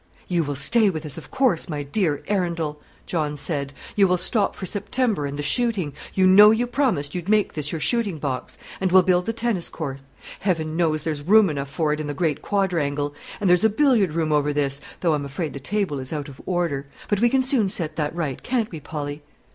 "You will stay with us, of course, my dear Arundel," John said; "you will stop for September and the shooting. You know you promised you'd make this your shooting box; and we'll build the tennis court. Heaven knows, there's room enough for it in the great quadrangle; and there's a billiard room over this, though I'm afraid the table is out of order. But we can soon set that right, can't we, Polly?"